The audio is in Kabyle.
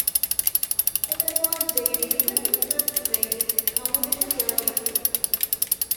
Adabu azzayri yugad ad tufrar teqbaylit, neɣ ma ulac ad yeɣli.